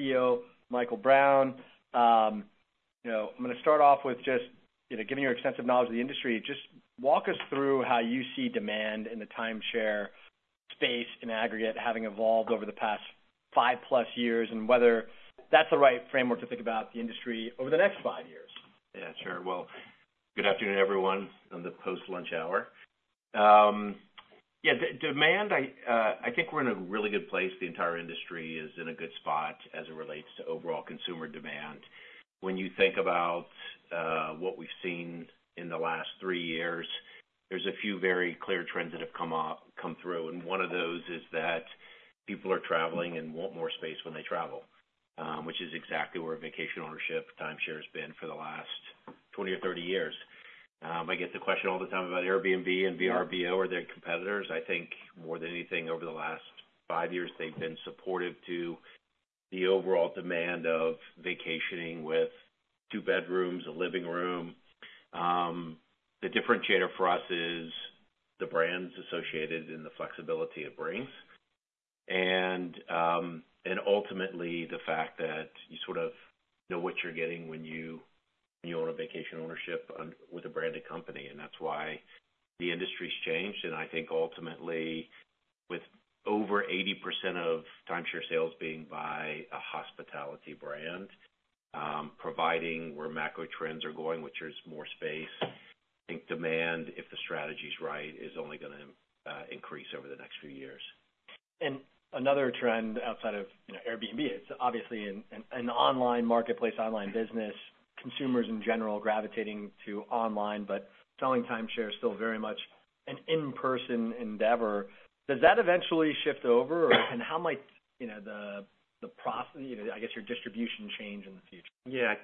CEO Michael Brown. You know, I'm gonna start off with just, you know, giving your extensive knowledge of the industry. Just walk us through how you see demand in the timeshare space in aggregate, having evolved over the past 5+ years, and whether that's the right framework to think about the industry over the next five years? Yeah, sure. Well, good afternoon, everyone, on the post-lunch hour. Yeah, the demand, I think we're in a really good place. The entire industry is in a good spot as it relates to overall consumer demand. When you think about what we've seen in the last three years, there's a few very clear trends that have come through, and one of those is that people are traveling and want more space when they travel, which is exactly where vacation ownership, timeshare has been for the last 20 or 30 years. I get the question all the time about Airbnb and Vrbo. Are they competitors? I think more than anything, over the last five years, they've been supportive to the overall demand of vacationing with two bedrooms, a living room. The differentiator for us is the brands associated and the flexibility it brings. And ultimately, the fact that you sort of know what you're getting when you own a vacation ownership with a branded company, and that's why the industry's changed. I think ultimately, with over 80% of timeshare sales being by a hospitality brand, providing where macro trends are going, which is more space, I think demand, if the strategy's right, is only gonna increase over the next few years. Another trend outside of, you know, Airbnb, it's obviously an online marketplace, online business, consumers in general gravitating to online, but selling timeshare is still very much an in-person endeavor. Does that eventually shift over? How might, you know, the process, you know, I guess, your distribution change in the future? Yeah.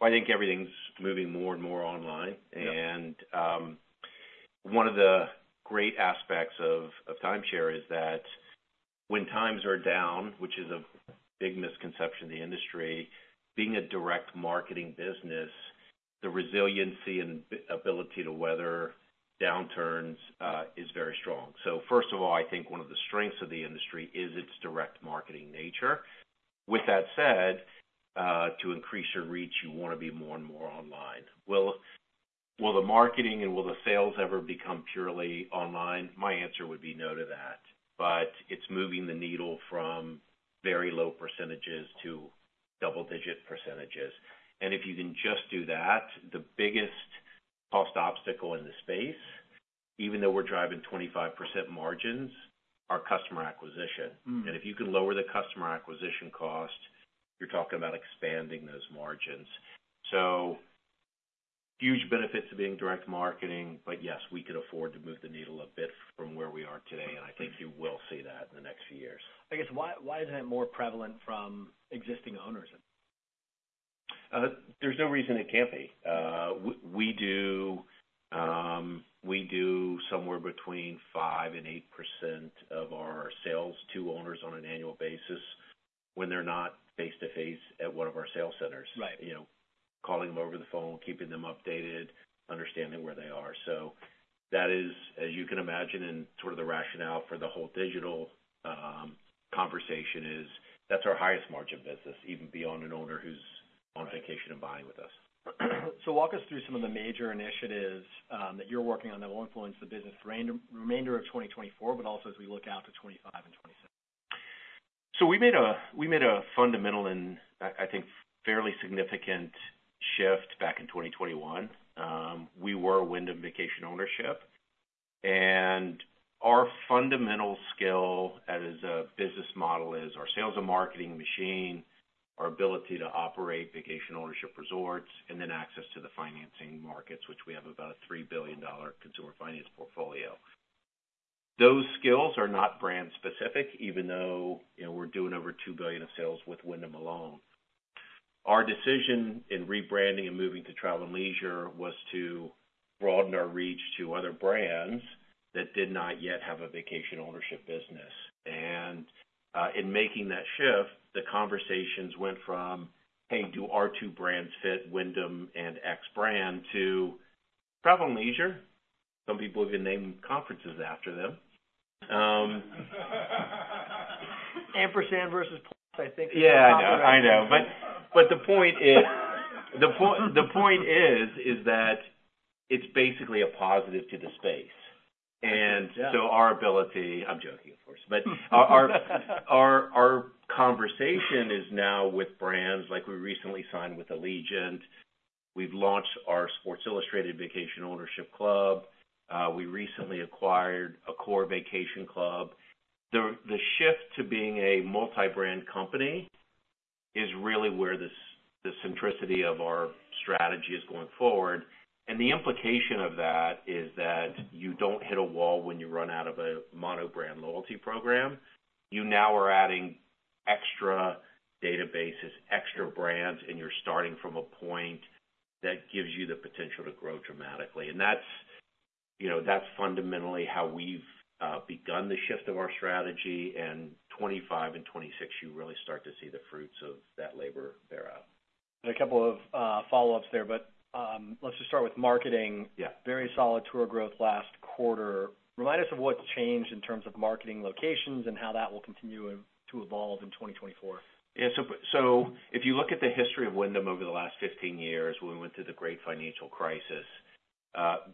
Well, I think everything's moving more and more online. Yeah. One of the great aspects of timeshare is that when times are down, which is a big misconception in the industry, being a direct marketing business, the resiliency and ability to weather downturns is very strong. So first of all, I think one of the strengths of the industry is its direct marketing nature. With that said, to increase your reach, you wanna be more and more online. Will the marketing and sales ever become purely online? My answer would be no to that, but it's moving the needle from very low percentages to double-digit percentages. And if you can just do that, the biggest cost obstacle in the space, even though we're driving 25% margins, are customer acquisition. Mm. If you can lower the customer acquisition cost, you're talking about expanding those margins. Huge benefits to being direct marketing, but yes, we could afford to move the needle a bit from where we are today, and I think you will see that in the next few years. I guess, why, why isn't it more prevalent from existing owners? There's no reason it can't be. We do somewhere between 5% and 8% of our sales to owners on an annual basis when they're not face-to-face at one of our sales centers. Right. You know, calling them over the phone, keeping them updated, understanding where they are. So that is, as you can imagine, and sort of the rationale for the whole digital conversation is, that's our highest margin business, even beyond an owner who's- Right... on vacation and buying with us. Walk us through some of the major initiatives that you're working on that will influence the business for remainder of 2024, but also as we look out to 2025 and 2026? So we made a fundamental and I think fairly significant shift back in 2021. We were Wyndham Vacation Ownership, and our fundamental skill as a business model is our sales and marketing machine, our ability to operate vacation ownership resorts, and then access to the financing markets, which we have about a $3 billion consumer finance portfolio. Those skills are not brand specific, even though, you know, we're doing over $2 billion of sales with Wyndham alone. Our decision in rebranding and moving to Travel + Leisure was to broaden our reach to other brands that did not yet have a vacation ownership business. In making that shift, the conversations went from, "Hey, do our two brands fit Wyndham and X brand?" to Travel + Leisure. Some people even named conferences after them. Ampersand versus, I think- Yeah, I know. But the point is that it's basically a positive to the space. Yeah. I'm joking, of course, but our conversation is now with brands, like we recently signed with Allegiant. We've launched our Sports Illustrated Vacation Ownership Club. We recently acquired Accor Vacation Club. The shift to being a multi-brand company is really where this, the centricity of our strategy is going forward. And the implication of that is that you don't hit a wall when you run out of a mono-brand loyalty program. You now are adding extra databases, extra brands, and you're starting from a point that gives you the potential to grow dramatically. And that's, you know, that's fundamentally how we've begun the shift of our strategy. And 2025 and 2026, you really start to see the fruits of that.... A couple of follow-ups there, but let's just start with marketing. Yeah. Very solid tour growth last quarter. Remind us of what's changed in terms of marketing locations and how that will continue to evolve in 2024. Yeah. So, so if you look at the history of Wyndham over the last 15 years, when we went through the great financial crisis,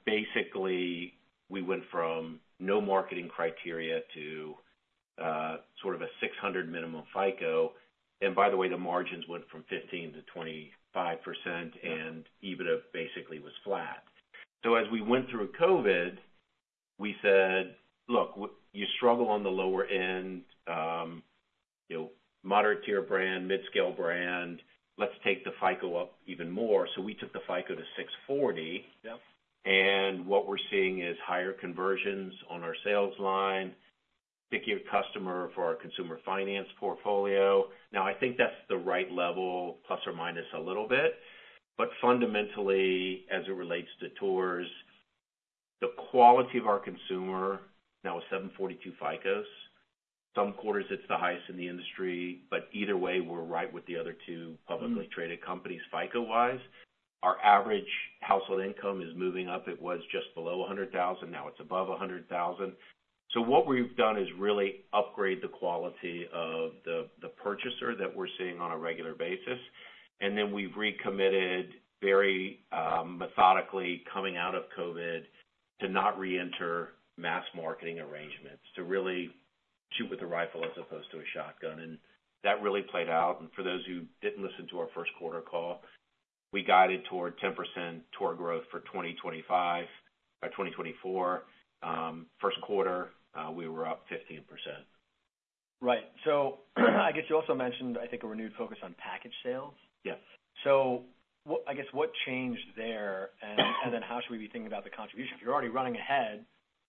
basically, we went from no marketing criteria to, sort of a 600 minimum FICO. And by the way, the margins went from 15%-25%, and EBITDA basically was flat. So as we went through COVID, we said, "Look, you struggle on the lower end, you know, moderate tier brand, mid-scale brand, let's take the FICO up even more." So we took the FICO to 640. Yep. And what we're seeing is higher conversions on our sales line, pickier customer for our consumer finance portfolio. Now, I think that's the right level, plus or minus a little bit. But fundamentally, as it relates to tours, the quality of our consumer now is 742 FICOs. Some quarters, it's the highest in the industry, but either way, we're right with the other two publicly traded companies, FICO-wise. Our average household income is moving up. It was just below $100,000, now it's above $100,000. So what we've done is really upgrade the quality of the purchaser that we're seeing on a regular basis. And then we've recommitted very methodically coming out of COVID, to not reenter mass marketing arrangements, to really shoot with a rifle as opposed to a shotgun. And that really played out. For those who didn't listen to our first quarter call, we guided toward 10% tour growth for 2025. By 2024, first quarter, we were up 15%. Right. So I guess you also mentioned, I think, a renewed focus on package sales? Yes. So what—I guess, what changed there? And then how should we be thinking about the contribution? If you're already running ahead,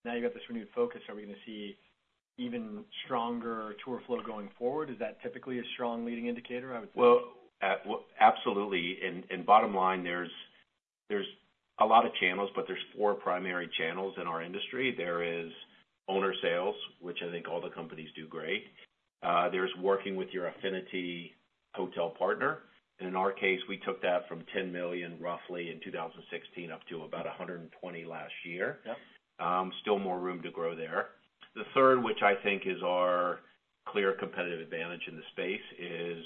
now you've got this renewed focus, are we going to see even stronger tour flow going forward? Is that typically a strong leading indicator, I would say? Well, absolutely. And bottom line, there's a lot of channels, but there's four primary channels in our industry. There is owner sales, which I think all the companies do great. There's working with your affinity hotel partner. And in our case, we took that from $10 million, roughly in 2016, up to about $120 million last year. Yep. Still more room to grow there. The third, which I think is our clear competitive advantage in the space,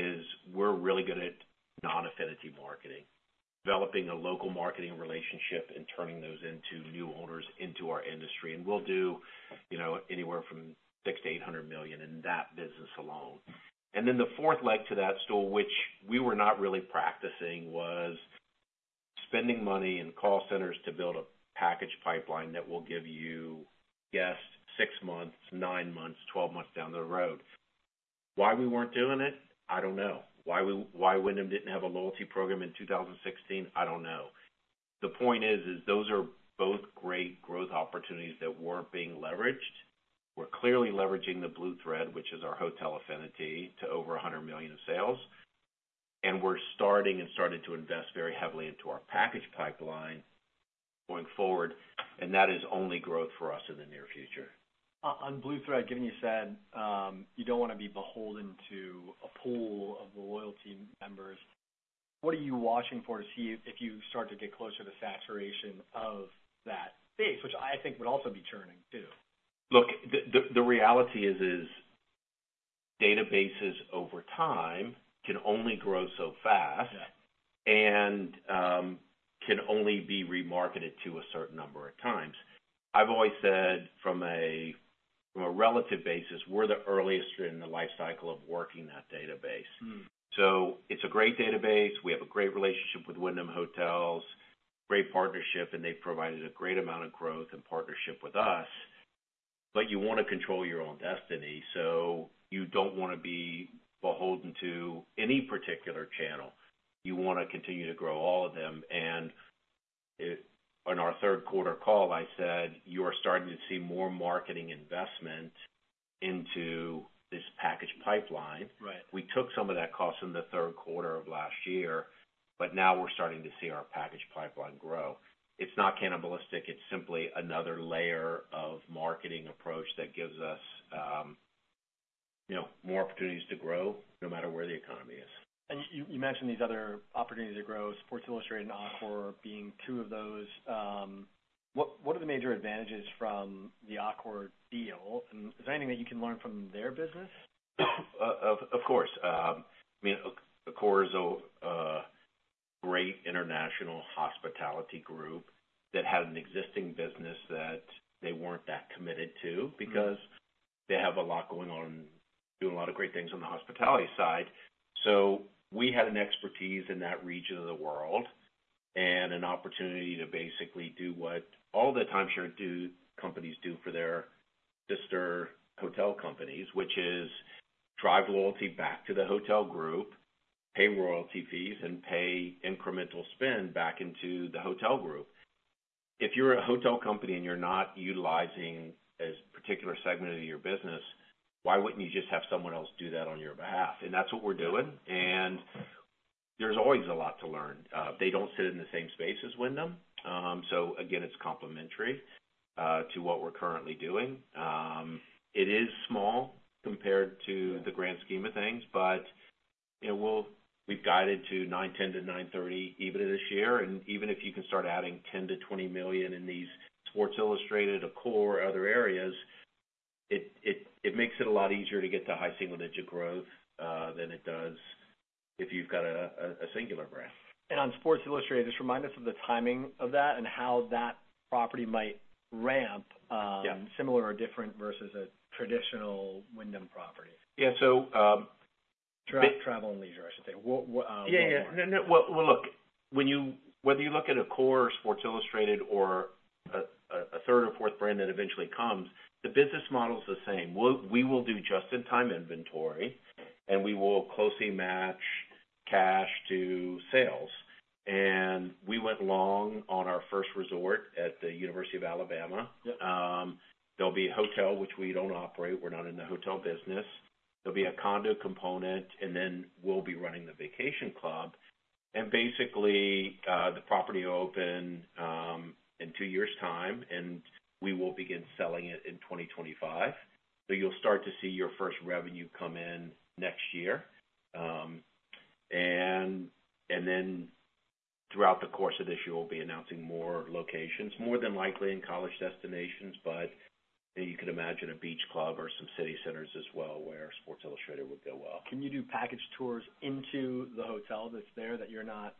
is we're really good at non-affinity marketing. Developing a local marketing relationship and turning those into new owners into our industry. And we'll do, you know, anywhere from $600 million to $800 million in that business alone. And then the fourth leg to that stool, which we were not really practicing, was spending money in call centers to build a package pipeline that will give you guests six months, nine months, 12 months down the road. Why we weren't doing it? I don't know. Why we—why Wyndham didn't have a loyalty program in 2016? I don't know. The point is those are both great growth opportunities that weren't being leveraged. We're clearly leveraging the Blue Thread, which is our hotel affinity, to over $100 million in sales. We're starting to invest very heavily into our package pipeline going forward, and that is only growth for us in the near future. On Blue Thread, given you said, you don't want to be beholden to a pool of loyalty members, what are you watching for to see if you start to get closer to saturation of that base, which I think would also be churning, too? Look, the reality is, databases, over time, can only grow so fast- Yeah... and, can only be remarketed to a certain number of times. I've always said, from a relative basis, we're the earliest in the life cycle of working that database. Hmm. So it's a great database. We have a great relationship with Wyndham Hotels, great partnership, and they've provided a great amount of growth and partnership with us. But you want to control your own destiny, so you don't want to be beholden to any particular channel. You want to continue to grow all of them. And on our third quarter call, I said, "You are starting to see more marketing investment into this package pipeline. Right. We took some of that cost in the third quarter of last year, but now we're starting to see our package pipeline grow. It's not cannibalistic, it's simply another layer of marketing approach that gives us, you know, more opportunities to grow no matter where the economy is. You, you mentioned these other opportunities to grow, Sports Illustrated and Accor being two of those. What, what are the major advantages from the Accor deal, and is there anything that you can learn from their business? Of course. I mean, Accor is a great international hospitality group that had an existing business that they weren't that committed to- Mm-hmm... because they have a lot going on, doing a lot of great things on the hospitality side. So we had an expertise in that region of the world and an opportunity to basically do what all the timeshare companies do for their sister hotel companies, which is drive loyalty back to the hotel group, pay royalty fees, and pay incremental spend back into the hotel group. If you're a hotel company and you're not utilizing a particular segment of your business, why wouldn't you just have someone else do that on your behalf? And that's what we're doing, and there's always a lot to learn. They don't sit in the same space as Wyndham. So again, it's complementary to what we're currently doing. It is small compared to the grand scheme of things, but, you know, we've guided to $910 million-$930 million EBITDA this year, and even if you can start adding $10 million-$20 million in these Sports Illustrated, or Accor, or other areas, it makes it a lot easier to get to high single-digit growth than it does if you've got a singular brand. On Sports Illustrated, just remind us of the timing of that and how that property might ramp? Yeah... similar or different versus a traditional Wyndham property. Yeah, so, Travel + Leisure, I should say. What, Yeah, yeah. No, no. Well, well, look, when you—whether you look at a Accor, Sports Illustrated or a, a, a third or fourth brand that eventually comes, the business model is the same. We'll—We will do just-in-time inventory, and we will closely match cash to sales. And we went long on our first resort at the University of Alabama. Yep. There'll be a hotel, which we don't operate. We're not in the hotel business. There'll be a condo component, and then we'll be running the vacation club. And basically, the property will open in two years' time, and we will begin selling it in 2025. So you'll start to see your first revenue come in next year. And then throughout the course of this year, we'll be announcing more locations, more than likely in college destinations, but you could imagine a beach club or some city centers as well, where Sports Illustrated would go well. Can you do package tours into the hotel that's there, that you're not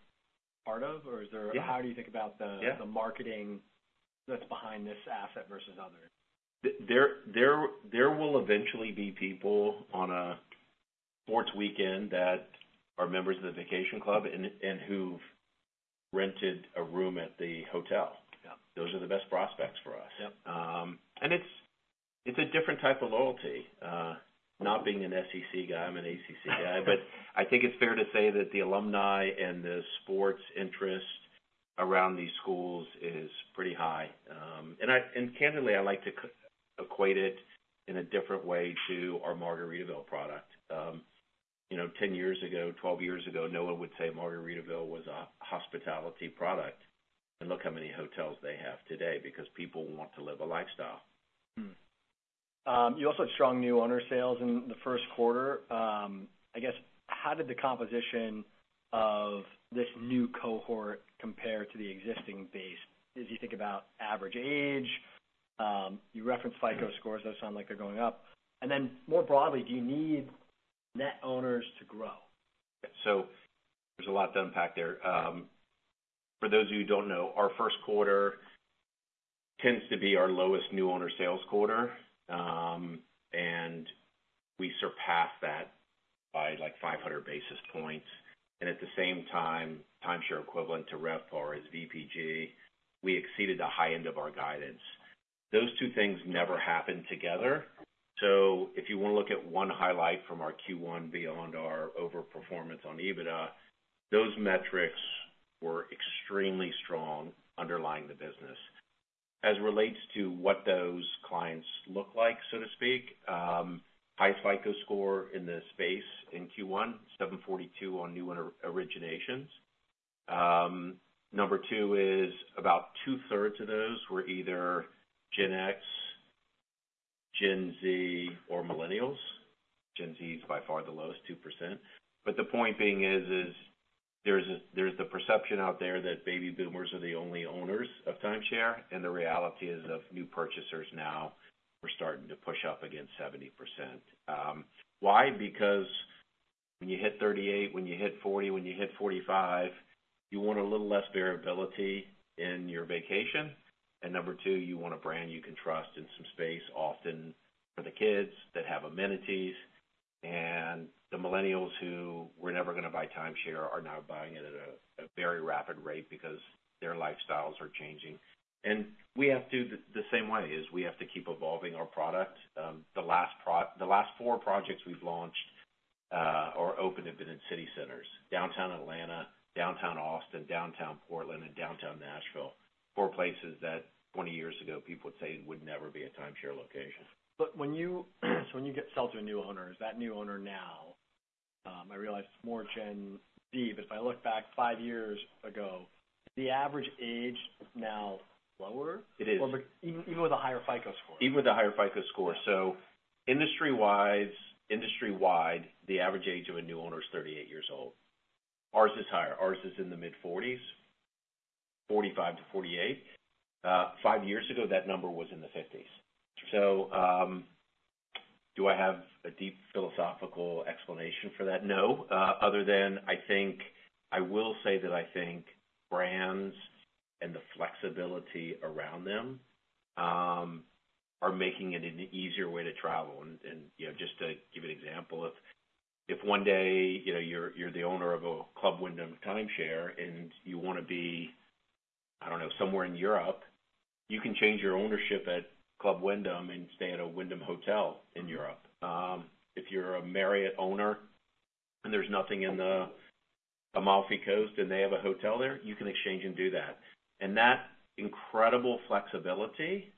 part of? Or is there- Yeah. How do you think about the- Yeah... the marketing that's behind this asset versus others? There will eventually be people on a sports weekend that are members of the vacation club and who've rented a room at the hotel. Yeah. Those are the best prospects for us. Yep. And it's, it's a different type of loyalty, not being an SEC guy, I'm an ACC guy. But I think it's fair to say that the alumni and the sports interest around these schools is pretty high. And candidly, I like to equate it in a different way to our Margaritaville product. You know, 10 years ago, 12 years ago, no one would say Margaritaville was a hospitality product. And look how many hotels they have today, because people want to live a lifestyle. Mm-hmm. You also had strong new owner sales in the first quarter. I guess, how did the composition of this new cohort compare to the existing base? As you think about average age, you referenced FICO scores, those sound like they're going up. And then more broadly, do you need net owners to grow? So there's a lot to unpack there. For those who don't know, our first quarter tends to be our lowest new owner sales quarter, and we surpassed that by like 500 basis points. And at the same time, timeshare equivalent to RevPAR is VPG. We exceeded the high end of our guidance. Those two things never happen together. So if you want to look at one highlight from our Q1 beyond our overperformance on EBITDA, those metrics were extremely strong underlying the business. As it relates to what those clients look like, so to speak, high FICO score in the space in Q1, 742 on new owner originations. Number two is, about two-thirds of those were either Gen X, Gen Z, or millennials. Gen Z is by far the lowest, 2%. But the point being is, there's the perception out there that baby boomers are the only owners of timeshare, and the reality is, of new purchasers now, we're starting to push up against 70%. Why? Because when you hit 38, when you hit 40, when you hit 45, you want a little less variability in your vacation. And number two, you want a brand you can trust and some space, often for the kids, that have amenities. And the millennials who were never gonna buy timeshare are now buying it at a very rapid rate because their lifestyles are changing. And the same way, we have to keep evolving our product. The last four projects we've launched, or opened, have been in city centers: downtown Atlanta, downtown Austin, downtown Portland, and downtown Nashville. Four places that 20 years ago, people would say would never be a timeshare location. But when you, when you get sold to a new owner, is that new owner now, I realize it's more Gen Z, but if I look back five years ago, the average age now lower? It is. Or even, even with a higher FICO score. Even with a higher FICO score. So industry-wide, the average age of a new owner is 38 years old. Ours is higher. Ours is in the mid-40s, 45-48. Five years ago, that number was in the 50s. So, do I have a deep philosophical explanation for that? No. Other than I think... I will say that I think brands and the flexibility around them are making it an easier way to travel. And, you know, just to give you an example, if one day, you know, you're the owner of a Club Wyndham timeshare, and you wanna be, I don't know, somewhere in Europe, you can change your ownership at Club Wyndham and stay at a Wyndham hotel in Europe. If you're a Marriott owner and there's nothing in the Amalfi Coast, and they have a hotel there, you can exchange and do that. And that incredible flexibility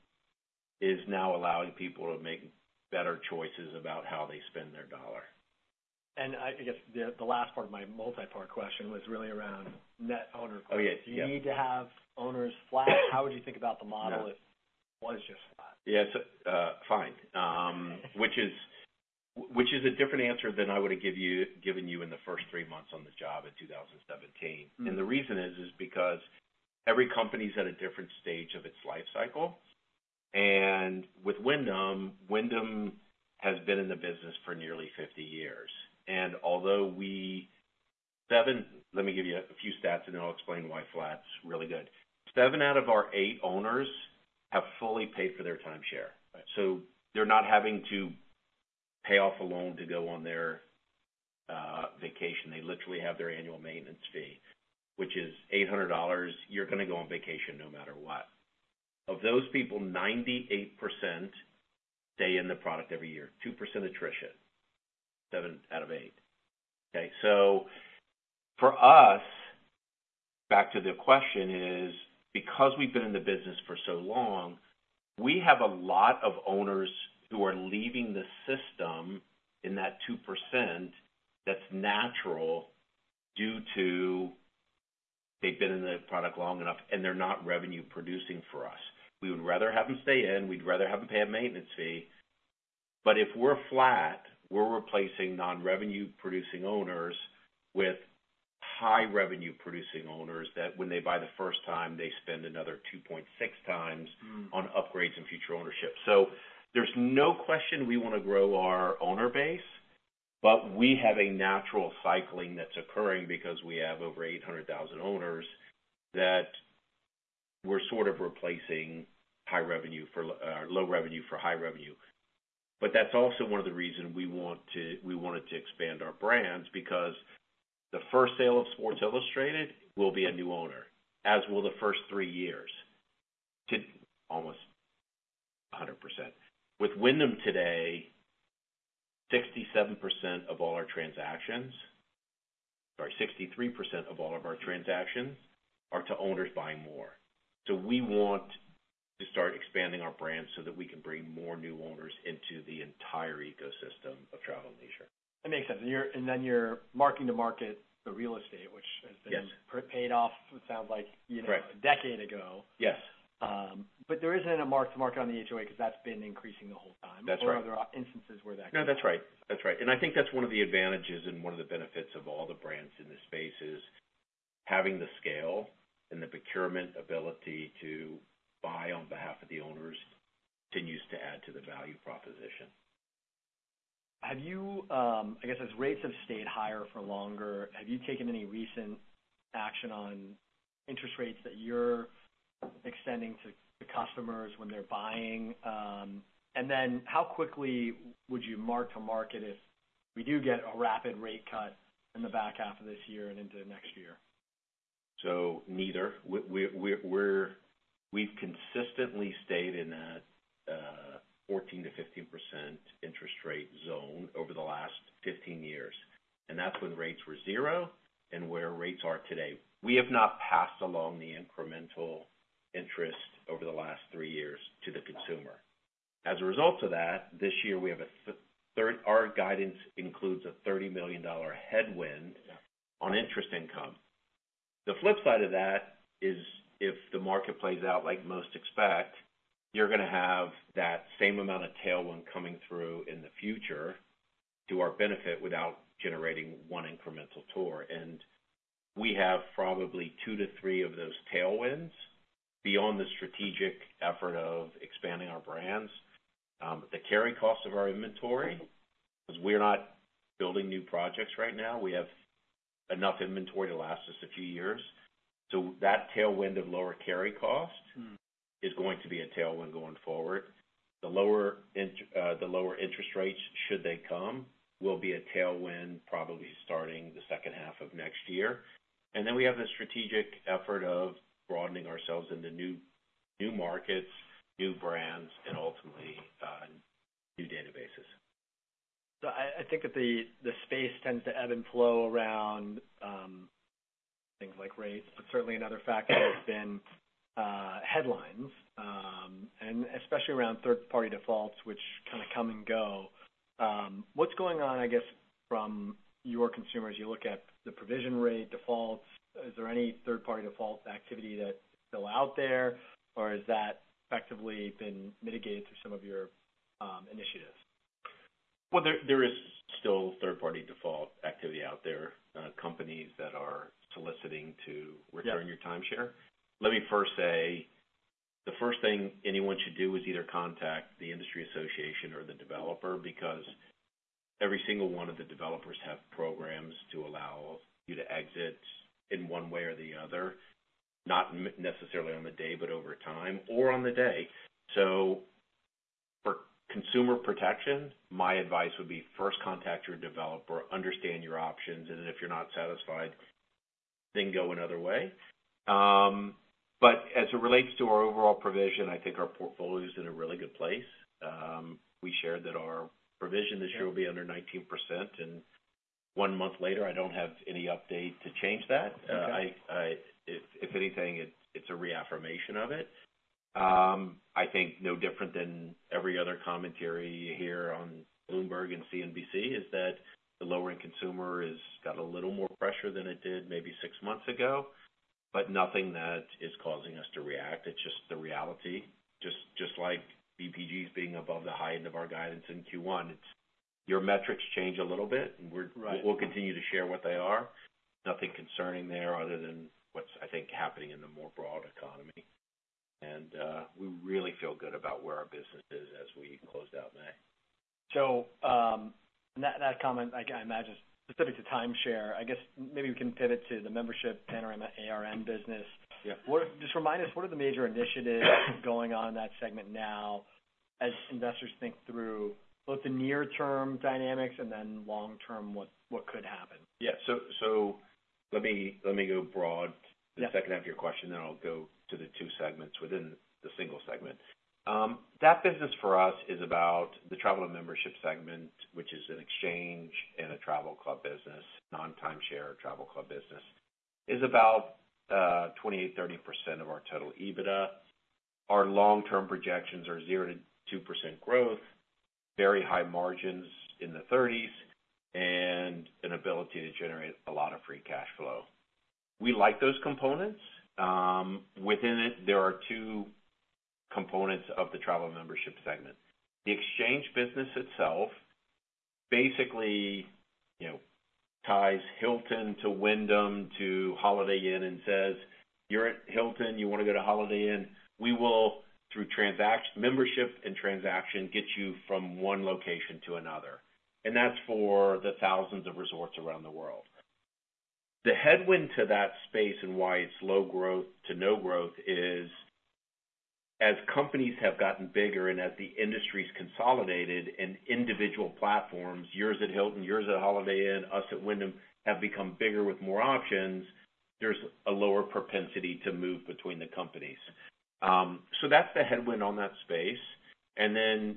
is now allowing people to make better choices about how they spend their dollar.... I guess the last part of my multipart question was really around net owner growth. Oh, yes. Yeah. Do you need to have owners flat? How would you think about the model- No. If it was just flat? Yes, fine. Which is a different answer than I would have given you in the first three months on the job in 2017. Mm-hmm. And the reason is, is because every company's at a different stage of its life cycle. And with Wyndham, Wyndham has been in the business for nearly 50 years. And although we. Let me give you a few stats, and then I'll explain why flat's really good. Seven out of our eight owners have fully paid for their timeshare. So they're not having to pay off a loan to go on their vacation. They literally have their annual maintenance fee, which is $800. You're gonna go on vacation no matter what. Of those people, 98% stay in the product every year, 2% attrition, seven out of eight. Okay? So for us, back to the question, is because we've been in the business for so long, we have a lot of owners who are leaving the system in that 2% that's natural, due to they've been in the product long enough, and they're not revenue producing for us. We would rather have them stay in. We'd rather have them pay a maintenance fee. But if we're flat, we're replacing non-revenue producing owners with high revenue producing owners, that when they buy the first time, they spend another 2.6x- Mm. on upgrades and future ownership. So there's no question we want to grow our owner base, but we have a natural cycling that's occurring because we have over 800,000 owners that we're sort of replacing high revenue for, low revenue for high revenue. But that's also one of the reasons we want to-- we wanted to expand our brands, because the first sale of Sports Illustrated will be a new owner, as will the first three years, to almost 100%. With Wyndham today, 67% of all our transactions... Sorry, 63% of all of our transactions are to owners buying more. So we want to start expanding our brands so that we can bring more new owners into the entire ecosystem of travel and leisure. That makes sense. And then you're marking to market the real estate, which has been- Yes. paid off, it sounds like- Correct... you know, a decade ago. Yes. But there isn't a mark-to-market on the HOA because that's been increasing the whole time. That's right. Or are there instances where that can- No, that's right. That's right. I think that's one of the advantages and one of the benefits of all the brands in this space, is having the scale and the procurement ability to buy on behalf of the owners, continues to add to the value proposition. Have you, I guess, as rates have stayed higher for longer, have you taken any recent action on interest rates that you're extending to the customers when they're buying? And then how quickly would you mark to market if we do get a rapid rate cut in the back half of this year and into next year? So neither. We've consistently stayed in that 14%-15% interest rate zone over the last 15 years, and that's when rates were zero and where rates are today. We have not passed along the incremental interest over the last three years to the consumer. As a result of that, this year, we have a thir- our guidance includes a $30 million headwind- Yeah... on interest income. The flip side of that is, if the market plays out like most expect, you're gonna have that same amount of tailwind coming through in the future to our benefit, without generating one incremental tour. And we have probably two to three of those tailwinds beyond the strategic effort of expanding our brands. The carry cost of our inventory, because we're not building new projects right now, we have enough inventory to last us a few years. So that tailwind of lower carry cost- Mm ... is going to be a tailwind going forward. The lower interest rates, should they come, will be a tailwind, probably starting the second half of next year. And then we have the strategic effort of broadening ourselves into new, new markets, new brands, and ultimately, new databases. So I think that the space tends to ebb and flow around things like rates, but certainly another factor has been headlines and especially around third-party defaults, which kind of come and go. What's going on, I guess, from your consumers, as you look at the provision rate defaults, is there any third-party default activity that's still out there, or has that effectively been mitigated through some of your initiatives? Well, there is still third-party default activity out there, companies that are soliciting to- Yeah return your timeshare. Let me first say, the first thing anyone should do is either contact the industry association or the developer, because every single one of the developers have programs to allow you to exit in one way or the other, not necessarily on the day, but over time, or on the day. So for consumer protection, my advice would be, first, contact your developer, understand your options, and then if you're not satisfied, then go another way. But as it relates to our overall provision, I think our portfolio is in a really good place. We shared that our provision this year- Yeah... will be under 19%, and one month later, I don't have any update to change that. Okay. If anything, it's a reaffirmation of it. I think no different than every other commentary you hear on Bloomberg and CNBC, is that the lower-end consumer has got a little more pressure than it did maybe six months ago, but nothing that is causing us to react. It's just the reality. Just like VPG's being above the high end of our guidance in Q1, it's your metrics change a little bit, and we're- Right. We'll continue to share what they are. Nothing concerning there other than what's, I think, happening in the more broad economy. We really feel good about where our business is as we closed out May. So, and that comment, I imagine specific to timeshare. I guess maybe we can pivot to the membership Panorama arm business. Yeah. Just remind us, what are the major initiatives going on in that segment now, as investors think through both the near-term dynamics and then long-term, what, what could happen? Yeah. So let me go broad- Yeah. - the second half of your question, then I'll go to the two segments within the single segment. That business for us is about the travel and membership segment, which is an exchange and a travel club business, non-timeshare travel club business, is about 28%-30% of our total EBITDA. Our long-term projections are 0%-2% growth, very high margins in the 30s, and an ability to generate a lot of free cash flow. We like those components. Within it, there are two components of the travel membership segment. The exchange business itself basically, you know, ties Hilton to Wyndham to Holiday Inn and says, "You're at Hilton, you want to go to Holiday Inn, we will, through membership and transaction, get you from one location to another." That's for the thousands of resorts around the world. The headwind to that space and why it's low growth to no growth is, as companies have gotten bigger and as the industry's consolidated in individual platforms, you're at Hilton, you're at Holiday Inn, us at Wyndham, have become bigger with more options, there's a lower propensity to move between the companies. So that's the headwind on that space. And then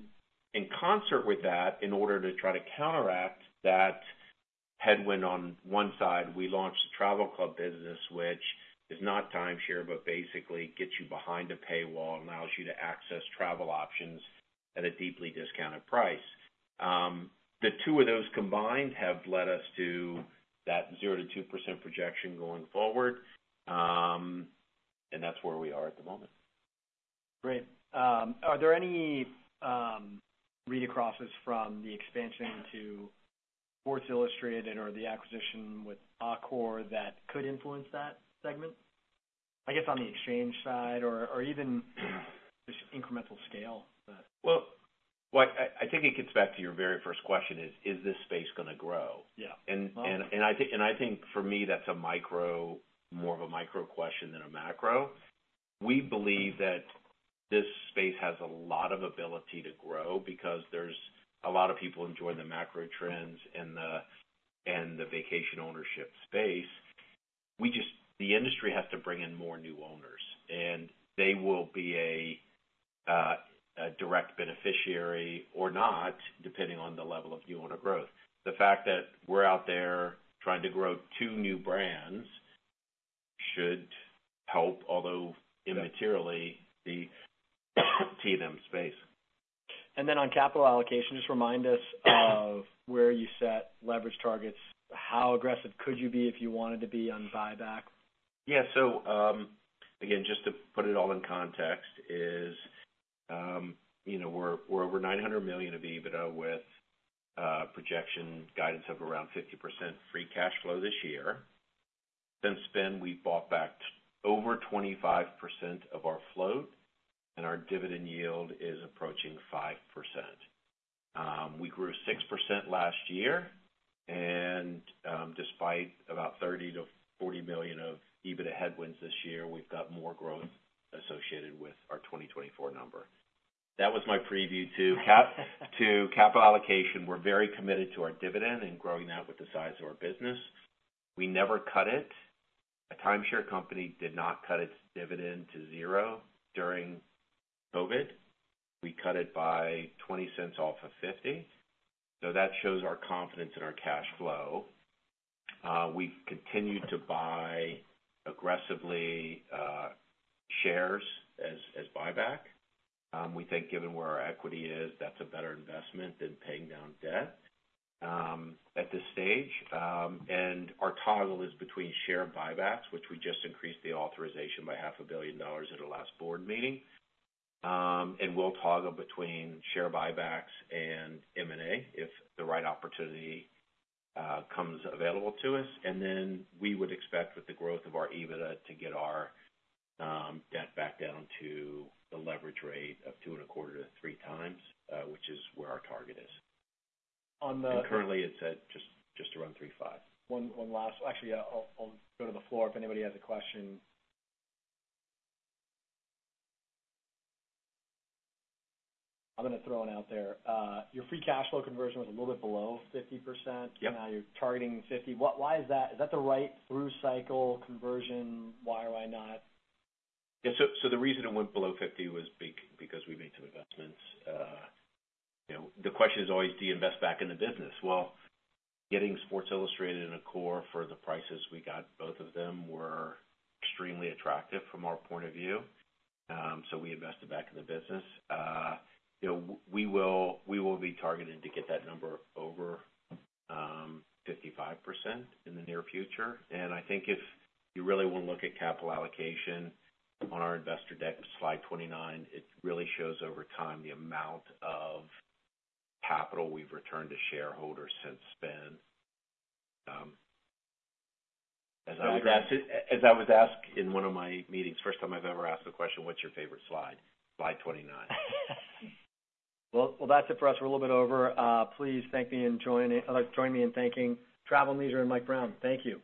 in concert with that, in order to try to counteract that headwind on one side, we launched a travel club business, which is not timeshare, but basically gets you behind a paywall, allows you to access travel options at a deeply discounted price. The two of those combined have led us to that 0%-2% projection going forward. And that's where we are at the moment. Great. Are there any read acrosses from the expansion to Sports Illustrated or the acquisition with Accor that could influence that segment? I guess, on the exchange side or, or even just incremental scale, but. Well, what I think it gets back to your very first question is: Is this space gonna grow? Yeah. I think for me, that's more of a micro question than a macro. We believe that this space has a lot of ability to grow because there's a lot of people enjoying the macro trends and the vacation ownership space. The industry has to bring in more new owners, and they will be a direct beneficiary or not, depending on the level of new owner growth. The fact that we're out there trying to grow two new brands should help, although immaterially, the T&M space. And then on capital allocation, just remind us of where you set leverage targets. How aggressive could you be if you wanted to be on buyback? Yeah. So, again, just to put it all in context is, you know, we're, we're over $900 million of EBITDA with projection guidance of around 50% free cash flow this year. Since then, we've bought back over 25% of our float, and our dividend yield is approaching 5%. We grew 6% last year, and, despite about $30-$40 million of EBITDA headwinds this year, we've got more growth associated with our 2024 number. That was my preview to capital allocation. We're very committed to our dividend and growing that with the size of our business. We never cut it. A timeshare company did not cut its dividend to zero during COVID. We cut it by 20 cents off of 50. So that shows our confidence in our cash flow. We've continued to buy aggressively shares as buyback. We think given where our equity is, that's a better investment than paying down debt at this stage. And our toggle is between share buybacks, which we just increased the authorization by $500 million at our last board meeting. And we'll toggle between share buybacks and M&A if the right opportunity comes available to us. And then we would expect, with the growth of our EBITDA, to get our debt back down to the leverage rate of 2.25-3x, which is where our target is. On the- Currently, it's at just, just around 3.5. One last... Actually, I'll go to the floor if anybody has a question. I'm gonna throw one out there. Your free cash flow conversion was a little bit below 50%. Yep. Now you're targeting 50. What- Why is that? Is that the right through cycle conversion? Why or why not? Yeah. So the reason it went below 50 was because we made some investments. You know, the question is always: Do you invest back in the business? Well, getting Sports Illustrated and Accor for the prices we got, both of them were extremely attractive from our point of view, so we invested back in the business. You know, we will be targeting to get that number over 55% in the near future. And I think if you really want to look at capital allocation on our investor deck, slide 29, it really shows over time the amount of capital we've returned to shareholders since then. As I- So that's- As I was asked in one of my meetings, first time I've ever asked the question: What's your favorite slide? Slide 29. Well, well, that's it for us. We're a little bit over. Please join me in thanking Travel + Leisure and Mike Brown. Thank you.